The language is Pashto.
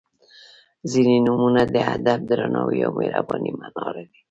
• ځینې نومونه د ادب، درناوي او مهربانۍ معنا لري.